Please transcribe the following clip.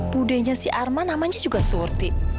budenya si arman namanya juga surti